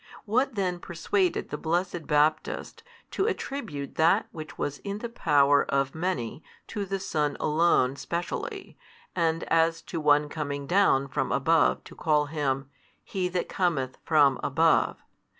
What then persuaded the blessed Baptist to attribute that which was in the power of many to the Son Alone specially, and as to One coming down from above to call Him, He That cometh from above?